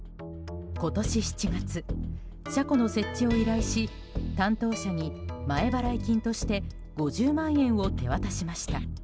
今年７月、車庫の設置を依頼し担当者に前払い金として５０万円を手渡しました。